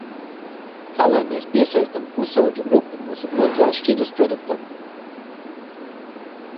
Kā lai mēs piesaistām pusaudžu grupu mūsu otrās šķiras produktam?